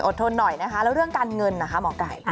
ทนหน่อยนะคะแล้วเรื่องการเงินนะคะหมอไก่